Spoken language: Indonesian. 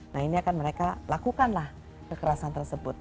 nah ini akan mereka lakukanlah kekerasan tersebut